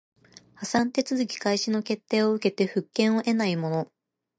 破産手続開始の決定を受けて復権を得ない者